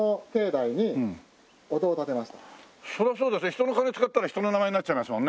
人の金使ったら人の名前になっちゃいますもんね。